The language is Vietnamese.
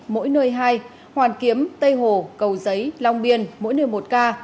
mỗi nơi hai hoàn kiếm tây hồ cầu giấy long biên mỗi nơi một ca